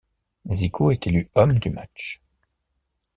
Zico est élu homme du match.